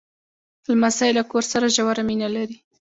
لمسی له کور سره ژوره مینه لري.